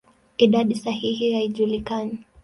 Idadi sahihi haijulikani.